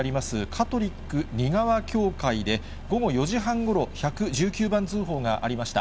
カトリック仁川教会で、午後４時半ごろ、１１９番通報がありました。